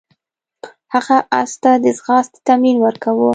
هغه اس ته د ځغاستې تمرین ورکاوه.